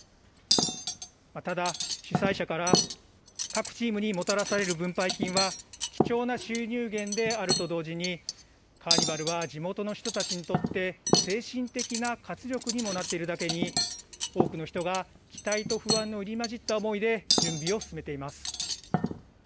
ただ、主催者から各チームにもたらされる分配金は貴重な収入源であると同時に、カーニバルは地元の人たちにとって精神的な活力にもなっているだけに、多くの人が期待と不安の入り混じった思いで準備を進めています。